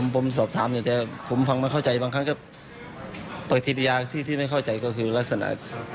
ปฏิเสธอย่างที่ไม่เข้าใจก็คือลักษณะ